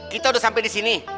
kita udah sampai di sini